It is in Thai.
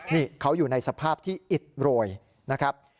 นี่เขาอยู่ในสภาพที่อิดโรยนะครับ